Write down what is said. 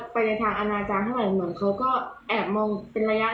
ไปในทางอนาจารย์เท่าไหร่เหมือนเขาก็แอบมองเป็นระยะ